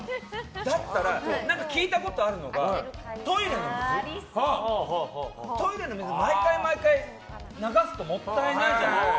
だったら、聞いたことあるのがトイレの水を毎回毎回、流すともったいないじゃない。